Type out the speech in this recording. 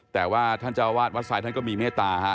แต่ว่าท่านเจ้าวาดวัดทรายท่านก็มีเมตตาฮะ